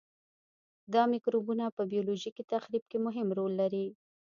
دا مکروبونه په بیولوژیکي تخریب کې مهم رول لري.